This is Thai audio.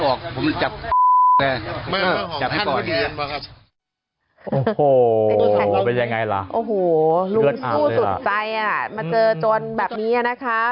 โอ้โหลุงสู้สุดใจมาเจอจนแบบนี้นะคะ